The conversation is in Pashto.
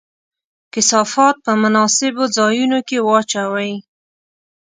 کثافات په مناسبو ځایونو کې واچوئ.